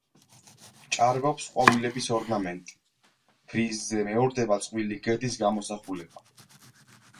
ჭარბობს ყვავილების ორნამენტი, ფრიზზე მეორდება წყვილი გედის გამოსახულება.